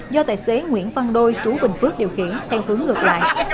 do tài xế nguyễn văn đôi trú bình phước điều khiển theo hướng ngược lại